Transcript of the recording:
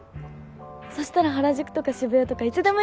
そしたら原宿とか渋谷とかいつでも行けるね。